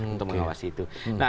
untuk mengawasi itu